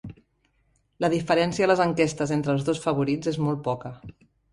La diferència a les enquestes entre els dos favorits és molt poca